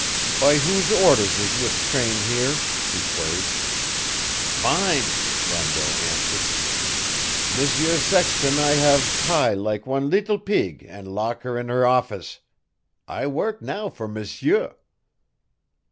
"By whose orders is this train here?" he queried. "Mine," Rondeau answered. "M'sieur Sexton I have tie like one leetle pig and lock her in her office. I work now for M'sieur."